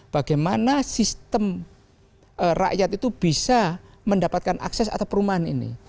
bagaimana sistem rakyat itu bisa mendapatkan akses atau perumahan ini